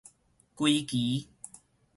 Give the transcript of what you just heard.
歸期